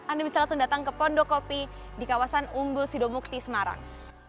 anda bisa langsung datang ke pondokopi di kawasan umbul sidomukti semarang